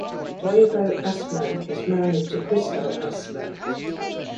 Toivo Asmer is married to Kristel Asmer.